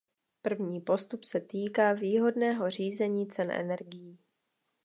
První postup se týká výhodného řízení cen energií.